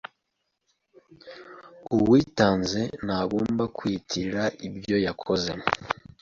Uwitanze ntagomba kwiyitirira ibyo yakoze,